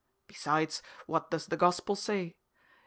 Besides, what does the Gospel say?